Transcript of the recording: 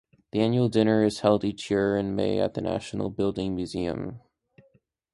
The Annual Dinner is held each year in May at the National Building Museum.